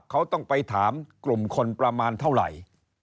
เขาต้องไปถามกลุ่มคนประมาณเท่าไหร่